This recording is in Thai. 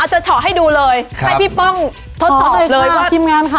อาจจะชอให้ดูเลยครับให้พี่ป้องทดสอบเลยว่าขอเลยค่ะทีมงานค่ะ